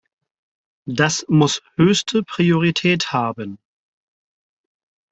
Das muss höchste Priorität haben.